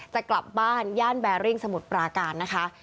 จะกลับบ้านย่านแบริ่งสมุทรปราการนะคะ